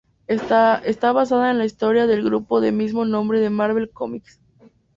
Está basada en la historia del grupo de mismo nombre de Marvel Comics.